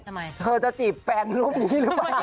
ทำไมเธอจะจีบแฟนรูปนี้หรือเปล่า